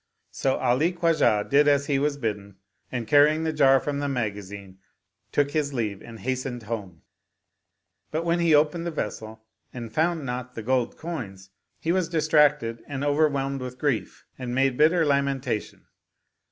'* So Ali Khwa jah did as he was bidden and carrying the jar from the magazine took his leave and hastened home ; but, when he opened the vessel and found not the gold coins, he was dis tracted and overwhelmed with grief and made bitter lamen tation.